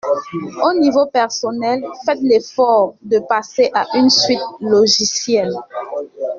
Au niveau personnel, faites l'effort de passer à une suite logicielle